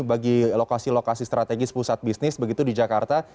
bagi lokasi lokasi strategis pusat bisnis begitu di jakarta